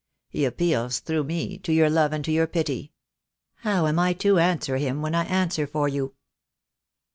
He appeals through me to your love and to your pity. How am I to answer him when I answer for you?"